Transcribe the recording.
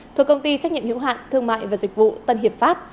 thuộc công ty trách nhiệm hiệu hạn thương mại và dịch vụ tân hiệp pháp